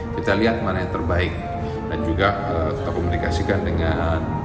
kita lihat mana yang terbaik dan juga kita komunikasikan dengan